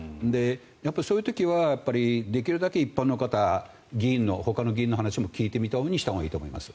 やっぱりそういう時はできるだけ一般の方ほかの議員の話も聞いてみるようにしたほうがいいと思います。